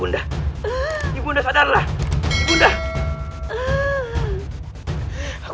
untuk memohon maaf